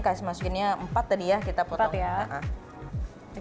kasih masukinnya empat tadi ya kita potong